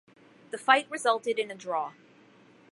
The fight resulted in a draw.